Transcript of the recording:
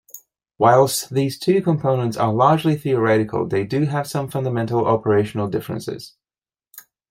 Whilst these two components are largely theoretical they do have some fundamental operational differences.